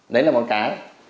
đấy là một cái